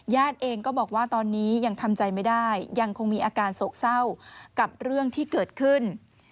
เองก็บอกว่าตอนนี้ยังทำใจไม่ได้ยังคงมีอาการโศกเศร้ากับเรื่องที่เกิดขึ้น